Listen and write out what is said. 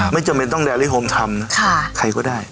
ไม่จำเป็นต้องแดริโฮมทำนะใครก็ได้